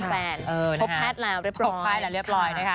พบแพทย์แล้วเรียบร้อย